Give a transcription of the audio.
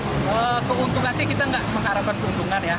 keuntungan sih kita enggak mengharapkan keuntungan ya